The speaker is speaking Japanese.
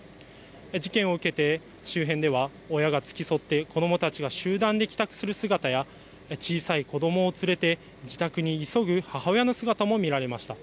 事件を受けて、周辺では、親が付き添って子どもたちが集団で帰宅する姿や、小さい子どもを連れて自宅に急ぐ母親の姿も見られました。